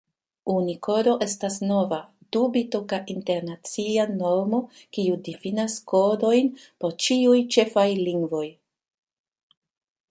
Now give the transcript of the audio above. Unikodo estas nova, du-bitoka internacia normo, kiu difinas kodojn por ĉiuj ĉefaj lingvoj.